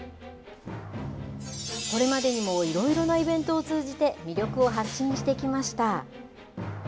これまでにもいろいろなイベントを通じて、魅力を発信してきました。